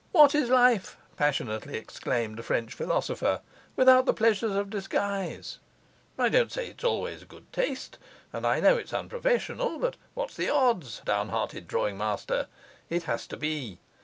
What is life, passionately exclaimed a French philosopher, without the pleasures of disguise? I don't say it's always good taste, and I know it's unprofessional; but what's the odds, downhearted drawing master? It has to be.